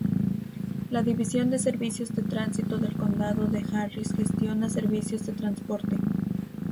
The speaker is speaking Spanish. La División de Servicios de Tránsito del Condado de Harris gestiona servicios de transporte.